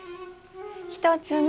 １つ目。